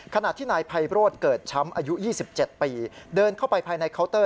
ขณะที่นายไพโรธเกิดช้ำอายุ๒๗ปีเดินเข้าไปภายในเคาน์เตอร์